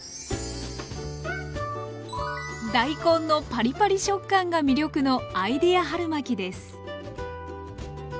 大根のパリパリ食感が魅力のアイデア春巻です。